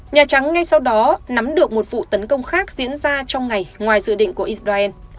nhà trắng ngay sau đó nắm được một vụ tấn công khác diễn ra trong ngày ngoài dự định của israel